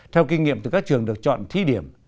theo kinh nghiệm từ các trường được chọn thí điểm